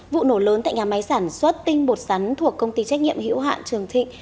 vụ nổ lớn tại nhà máy sản xuất tinh bột sắn thuộc công ty trách nhiệm hữu hạn trường thịnh